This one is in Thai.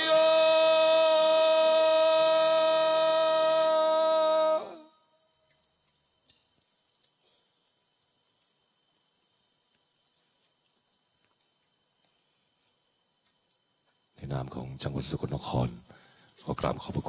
นกพระภูมิบาลมุมยาดิเรเอกบรมจักษ์กลิ้นพระสยามิญพระยศยิงโยเย็นศิราประปรบริบาล